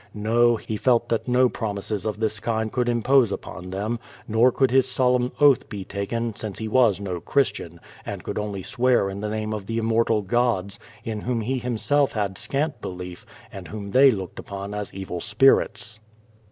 No, he felt that no pro mises of this kind could impose upon them, nor could his solemn oath be taken, since he was no Christian, and could only swear in the name of the immortal gods, in whom he himself had scant belief, and whom they looked upon as evil spirits.